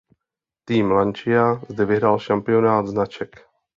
Tým Lancia zde vyhrál šampionát značek.